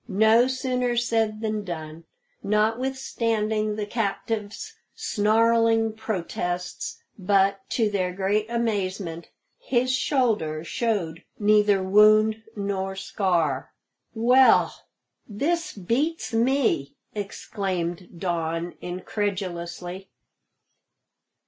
No sooner said than done, notwithstanding the captive's snarling protests; but, to their great amazement, his shoulder showed neither wound nor scar. "Well, this beats me!" exclaimed Don incredulously.